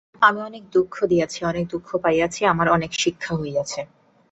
আমি অনেক দুঃখ দিয়াছি, অনেক দুঃখ পাইয়াছি, আমার অনেক শিক্ষা হইয়াছে।